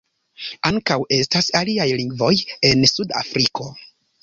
Ankaŭ estas aliaj lingvoj en Sud-Afriko.